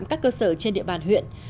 các cơ sở trên địa bàn huyện